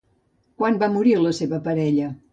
Quan va morir la seva parella?